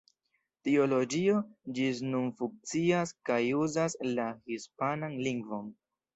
Tiu loĝio ĝis nun funkcias kaj uzas la hispanan lingvon.